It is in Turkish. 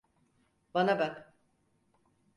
Bana bak.